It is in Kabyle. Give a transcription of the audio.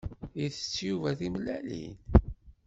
Isett Yuba timellalin?